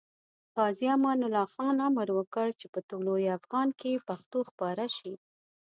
غازي امان الله خان امر وکړ چې په طلوع افغان کې پښتو خپاره شي.